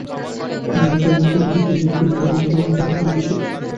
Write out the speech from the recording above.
তিনি এফ.এ. পরীক্ষায় অকৃতকার্য হওয়ার পর আর প্রাতিষ্ঠানিকভাবে পড়াশোনা করতে পারেননি।